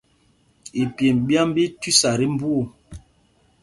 Ipyêmb ɓyā ɓí í tüsa tí mbú ɔ.